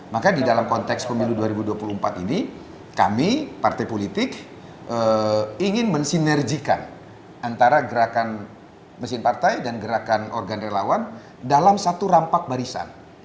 maka di dalam konteks pemilu dua ribu dua puluh empat ini kami partai politik ingin mensinerjikan antara gerakan mesin partai dan gerakan organ relawan dalam satu rampak barisan